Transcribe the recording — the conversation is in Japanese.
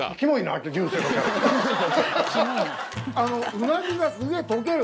うなぎがすげぇ溶ける